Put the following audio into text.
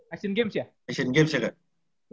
asian games ya asian games ya kak